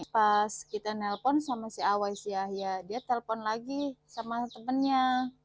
pas kita nelpon sama si away si yahya dia telpon lagi sama temennya